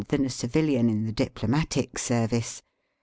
than a civilian in the diplomatio service.